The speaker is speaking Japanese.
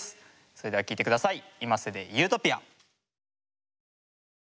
それでは聴いて下さい。